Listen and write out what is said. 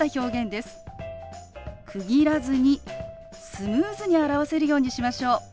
区切らずにスムーズに表せるようにしましょう。